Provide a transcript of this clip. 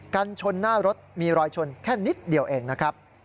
กันชนหน้ารถมีรอยชนแค่นิดเดียวเองนะครับ